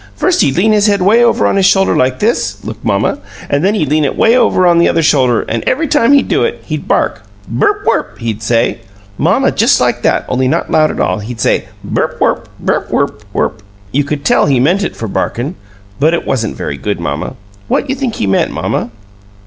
First he'd lean his head way over on his shoulder like this look, mamma! an' then he'd lean it way over the other shoulder, an' every time he'd do it he'd bark. 'Berp werp!' he'd say, mamma, just like that, only not loud at all. He said, 'Berp werp! BERP WERP WERP!' You could tell he meant it for barkin', but it wasn't very good, mamma. What you think he meant, mamma?"